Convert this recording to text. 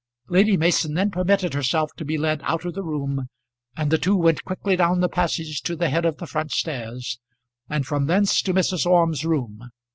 Lady Mason then permitted herself to be led out of the room, and the two went quickly down the passage to the head of the front stairs, and from thence to Mrs. Orme's room.